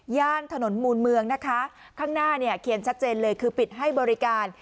ย่านถนนมูลเมืองนะคะข้างหน้าเนี่ยเขียนชัดเจนเลยคือปิดให้บริการ